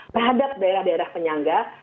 terhadap daerah daerah penyangga